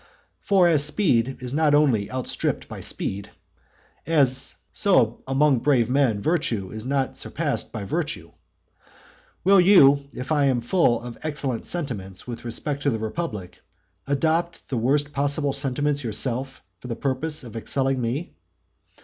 For as speed is only outstripped by speed, so among brave men virtue is only surpassed by virtue. Will you, if I am full of excellent sentiments with respect to the republic, adopt the worst possible sentiments yourself for the purpose of excelling me?